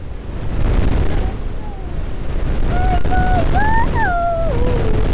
hiki kinaitwa taarabu za mipasho na kuna ile nyingine wengine wanasema asilia lakini